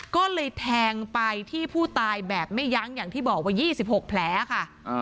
ก็เลยแทงไปที่ผู้ตายแบบไม่ยั้งอย่างที่บอกว่า๒๖แผลค่ะ